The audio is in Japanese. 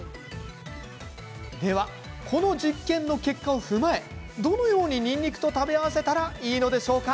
では、この実験の結果を踏まえどのように、にんにくと食べ合わせたらいいのでしょうか。